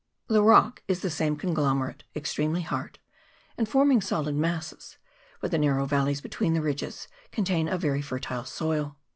The rock is the same conglomerate, ex tremely hard, and forming solid masses ; but the narrow valleys between ridges contain a very fertile soil.